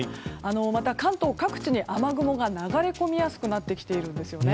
また、関東各地に雨雲が流れ込みやすくなってきているんです。